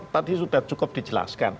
tadi sudah cukup dijelaskan